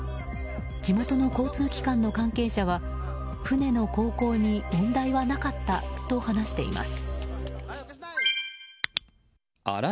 地元の交通機関の関係者は船の航行に問題はなかったと話しています。